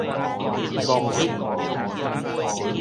戇直